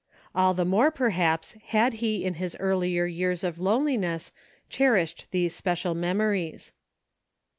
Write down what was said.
All the more, per haps, had he in his earlier years of loneliness cherished these special memories.